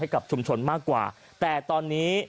กับชุมชนมากกว่าแต่ตอนนี้